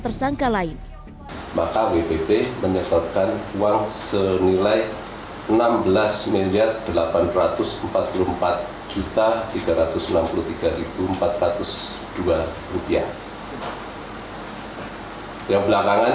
tersangka lain maka wpp menyetorkan uang senilai enam belas miliar delapan ratus empat puluh empat juta tiga ratus enam puluh tiga empat ratus dua rupiah yang belakangan